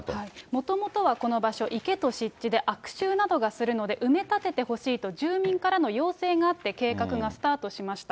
もともとはこの場所、池と湿地で悪臭などがするので、埋め立ててほしいと住民からの要請があって、計画がスタートしました。